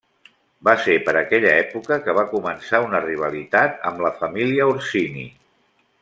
Va ser per aquella època que va començar una rivalitat amb la família Orsini.